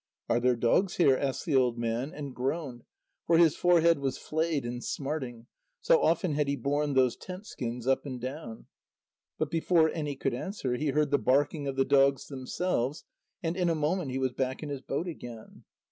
"Are there dogs here?" asked the old man, and groaned, for his forehead was flayed and smarting, so often had he borne those tent skins up and down. But before any could answer, he heard the barking of the dogs themselves. And in a moment he was back in his boat again.